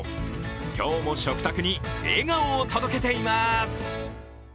今日も食卓に笑顔を届けています。